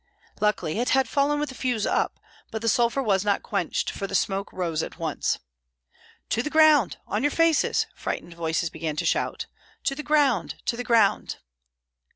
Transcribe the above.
Luckily it had fallen with the fuse up; but the sulphur was not quenched, for the smoke rose at once. "To the ground! on your faces!" frightened voices began to shout. "To the ground, to the ground!"